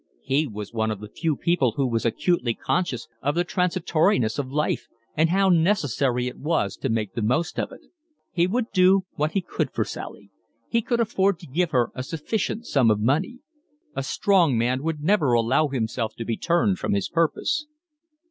He was one of the few people who was acutely conscious of the transitoriness of life, and how necessary it was to make the most of it. He would do what he could for Sally; he could afford to give her a sufficient sum of money. A strong man would never allow himself to be turned from his purpose.